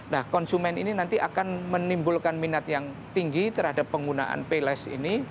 nah konsumen ini nanti akan menimbulkan minat yang tinggi terhadap penggunaan payles ini